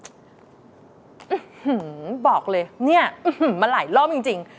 อื้อหือบอกเลยนี่มาหลายรอบจริง